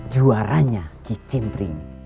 juaranya kicim pring